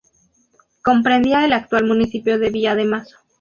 Comprendía el actual municipio de Villa de Mazo.